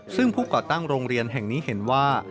ซึ่งผู้ก่อตั้งโรงเรียนแห่งนี้เห็นว่า